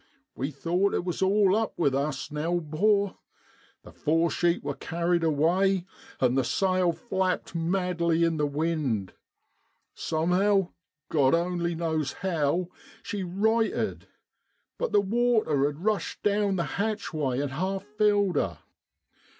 We thought it wor all up with us now, 'bor. The fore sheet wor carried away, an' the sail flapped madly in the wind. Somehow, Grod only knows how, she righted. But the water had rushed down the hatchway an' half filled her.